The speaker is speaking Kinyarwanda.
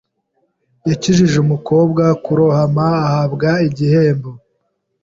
Yakijije umukobwa kurohama ahabwa igihembo.